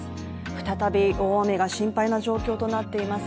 再び大雨が心配な状況となっています